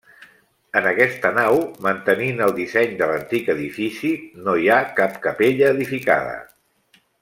En aquesta nau, mantenint el disseny de l'antic edifici, no hi ha cap capella edificada.